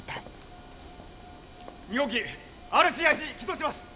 ２号機ＲＣＩＣ起動します！